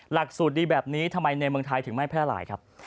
หลักสูตรดีแบบนี้ทำไมในเมืองไทยถึงไม่แพร่หลายครับ